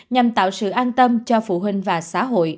nhằm tạo sự an tâm cho phụ huynh và xã hội